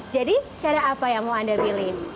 jadi cara apa yang mau anda pilih